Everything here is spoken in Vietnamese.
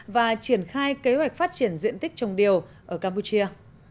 và triển khai kế hoạch phát triển diện tích trồng điều ở campuchia